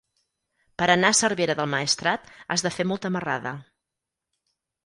Per anar a Cervera del Maestrat has de fer molta marrada.